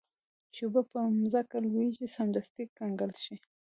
چې اوبه پر مځکه ولویږي سمدستي کنګل شي.